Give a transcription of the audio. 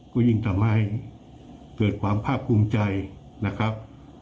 ก็ยิ่งทำให้เกิดความภาคภูมิใจนะครับ